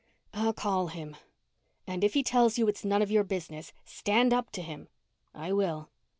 "I'll call him." "And if he tells you it's none of your business, stand up to him." "I will."